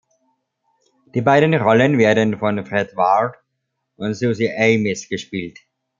Die beiden Rollen werden von Fred Ward und Suzy Amis gespielt.